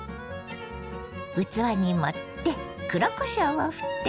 器に盛って黒こしょうをふってね。